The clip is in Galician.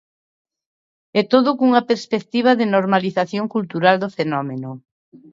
E todo cunha perspectiva de normalización cultural do fenómeno.